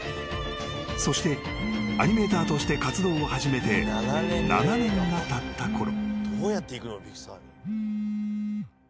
［そしてアニメーターとして活動を始めて７年がたったころ］